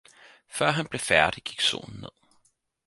Før han blev færdig, gik solen ned